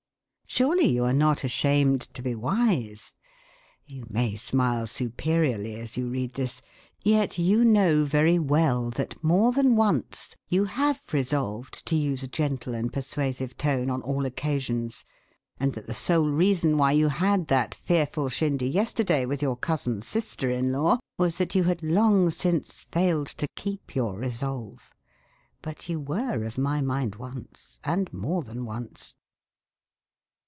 Surely you are not ashamed to be wise. You may smile superiorly as you read this. Yet you know very well that more than once you have resolved to use a gentle and persuasive tone on all occasions, and that the sole reason why you had that fearful shindy yesterday with your cousin's sister in law was that you had long since failed to keep your resolve. But you were of my mind once, and more than once.